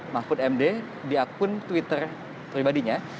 maupun md diakun twitter pribadinya